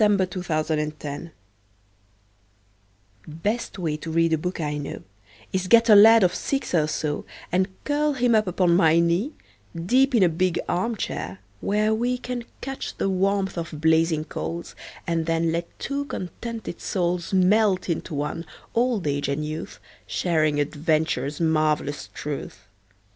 Best Way to Read a Book Best way to read a book I know Is get a lad of six or so, And curl him up upon my knee Deep in a big arm chair, where we Can catch the warmth of blazing coals, And then let two contented souls Melt into one, old age and youth, Sharing adventure's marvelous truth.